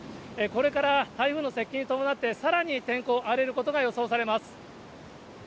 これから台風の接近に伴ってさらに天候、荒れることが予想されます。